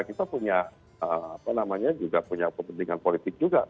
kita punya apa namanya juga punya kepentingan politik juga